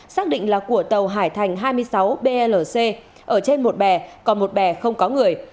xác định là của tàu hải thành hai mươi sáu blc ở trên một bè còn một bè không có người